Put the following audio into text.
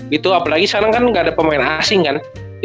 gitu apalagi sekarang kan nggak ada pemain asing kan